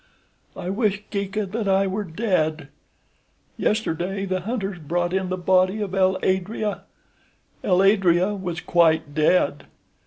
I wish, Geeka, that I were dead. Yesterday the hunters brought in the body of El Adrea. El Adrea was quite dead.